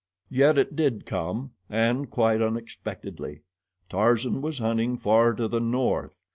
Yet it did come, and quite unexpectedly. Tarzan was hunting far to the north.